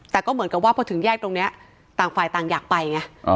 แต่ก็เหมือนกับว่าพอถึงแยกตรงนี้ต่างฝ่ายต่างอยากไปไง